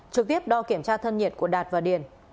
trực tiếp đo kiểm tra thân nhiệt của đạt và điền